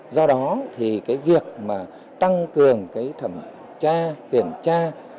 do đó thì cái việc mà tăng cường cái thẩm tra kiểm tra